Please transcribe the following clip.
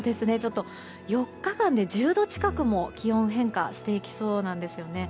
４日間で１０度近くも気温変化していきそうなんですよね。